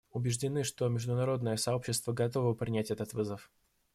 Убеждены, что международное сообщество готово принять этот вызов.